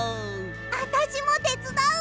あたしもてつだう！